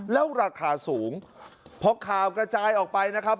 แล้วราคาสูงพอข่าวกระจายออกไปนะครับ